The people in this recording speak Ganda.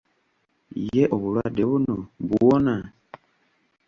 Ye obulwadde buno buwona?